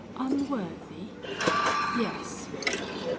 "Unworthy?" "Yes."